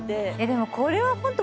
でもこれはホント。